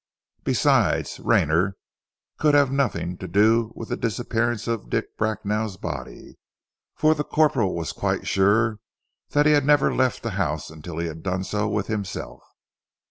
Besides Rayner could have had nothing to do with the disappearance of Dick Bracknell's body, for the corporal was quite sure that he had never left the house until he had done so with himself.